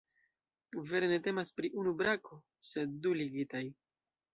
Vere ne temas pri unu brako, sed du ligitaj.